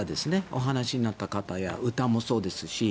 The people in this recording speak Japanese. お話になった方や歌もそうですし。